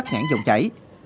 cắt ngãn dòng chảy